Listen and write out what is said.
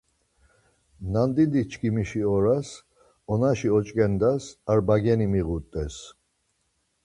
Nandidiçkimişi oras onaşi oç̌ǩendas ar bageni miğut̆es.